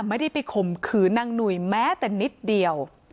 ไม่ได้ไปข่มขืนนางหนุ่ยแม้แต่นิดเดียว